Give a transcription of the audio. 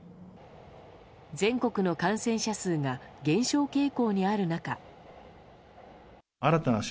全国の感染者数が減少傾向にある中。